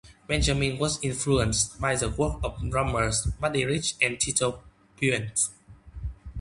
Benjamin was influenced by the work of drummers Buddy Rich and Tito Puente.